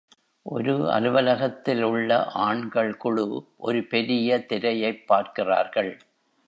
ஒரு அலுவலகத்தில் உள்ள ஆண்கள் குழு ஒரு பெரிய திரையைப் பார்க்கிறார்கள்.